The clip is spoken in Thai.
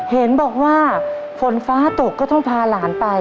เห็นบอกว่าฝนฟ้าตกก็ต้องพาหลานไป